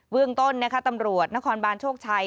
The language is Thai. เบื้องต้นตำรวจนครบานโชคชัย